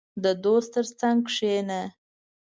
• د دوست تر څنګ کښېنه.